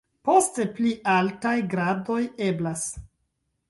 Poste pli altaj gradoj eblas.